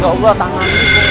ya allah tangan